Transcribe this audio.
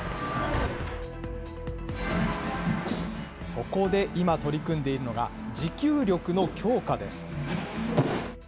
そこで今、取り組んでいるのが、持久力の強化です。